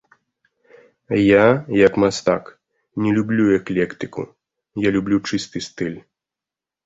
Я, як мастак, не люблю эклектыку, я люблю чысты стыль.